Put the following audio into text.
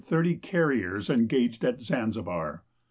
0 carriers ensaired at Zanzibar.